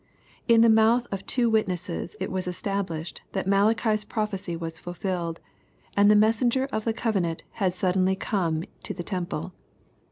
In the mouth of two witnesses it was established that Malachi's prophecy was fulfilled, and the messenger of the cove nant had suddenly come to the Temple.